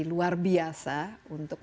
luar biasa untuk